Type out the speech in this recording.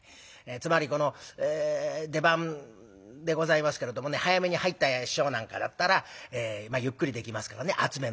つまりこの出番でございますけれどもね早めに入った師匠なんかだったらゆっくりできますからね熱めのお茶。